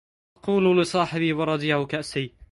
أقول لصاحبي ورضيع كأسي